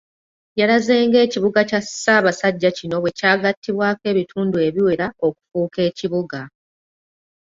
Yalaze ng'ekibuga kya Ssaabasajja kino bwe kyagattibwako ebitundu ebiwera okufuuka ekibuga .